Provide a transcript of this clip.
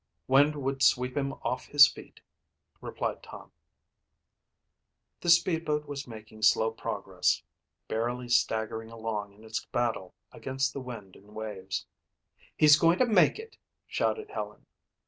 "Wind would sweep him off his feet," replied Tom. The speedboat was making slow progress, barely staggering along in its battle against the wind and waves. "He's going to make it!" shouted Helen.